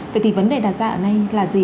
vậy thì vấn đề đặt ra ở đây là gì